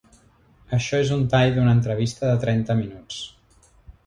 Això és un tall d’una entrevista de trenta minuts.